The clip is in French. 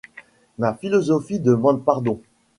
Ma philosophie demande pardon.